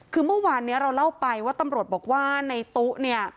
คือเมื่อวานนี้เราเล่าไปว่าตำรวจบอกว่าในตู้เนี่ย